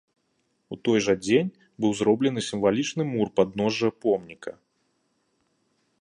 У той жа дзень быў зроблены сімвалічны мур падножжа помніка.